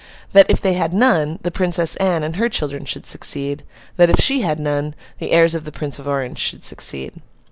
That if they had none, the Princess Anne and her children should succeed; that if she had none, the heirs of the Prince of Orange should succeed.